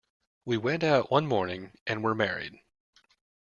We went out one morning and were married.